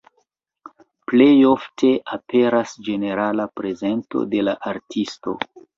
Plej ofte aperas ĝenerala prezento de la artisto.